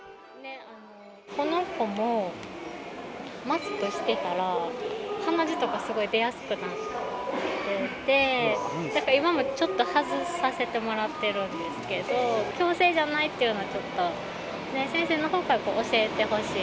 この子もマスクしてたら鼻血とか、すごい出やすくなってて、だから今もちょっと外させてもらってるんですけど、強制じゃないっていうのを、ちょっと先生のほうから教えてほしい。